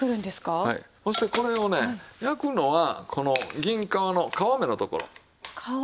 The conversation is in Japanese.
そしてこれをね焼くのはこの銀皮の皮目のところ。